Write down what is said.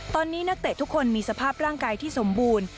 ตอนนี้นักเตะทุกคนมีสภาพร่างกายที่สมบูรณ์